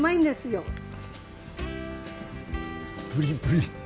プリプリ！